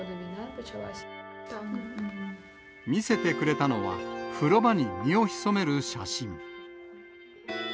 見せてくれたのは、風呂場に身を潜める写真。